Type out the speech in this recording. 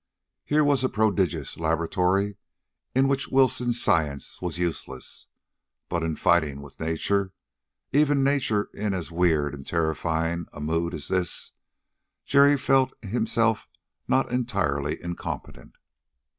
Here was a prodigious laboratory in which Winslow's science was useless, but in fighting with nature even nature in as weird and terrifying a mood as this Jerry felt himself not entirely incompetent.